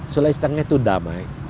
sulai setengah itu damai